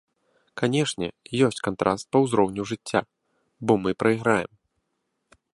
Канешне, ёсць кантраст па ўзроўню жыцця, бо мы прайграем.